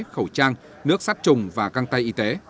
khẩu trang nước sát trùng và găng tay y tế